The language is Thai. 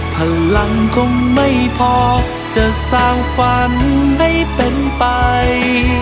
พลังคงไม่พอจะสร้างฝันให้เป็นไป